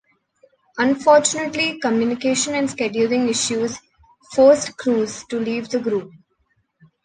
Unfortunately, communication and scheduling issues forced Cruz to leave the group.